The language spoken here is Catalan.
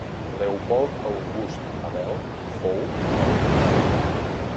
Leopold August Abel fou alumne seu.